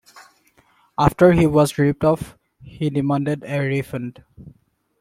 After he was ripped off, he demanded a refund.